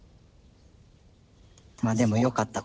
まあでもよかった。